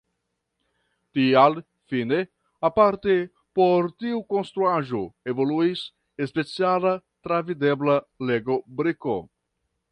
Tial fine aparte por tiu konstruaĵo evoluis speciala travidebla Lego-briko.